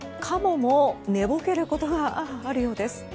カモも寝ぼけることがあるようです。